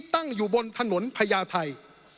ตั้งอยู่บนถนนพญาไทย